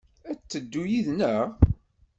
Ad d-teddu yid-neɣ?